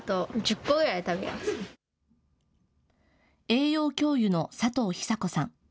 栄養教諭の佐藤寿子さん。